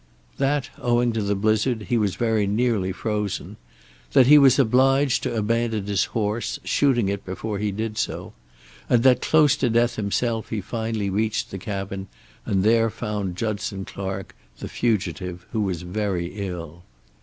That, owing to the blizzard, he was very nearly frozen; that he was obliged to abandon his horse, shooting it before he did so, and that, close to death himself, he finally reached the cabin and there found Judson Clark, the fugitive, who was very ill.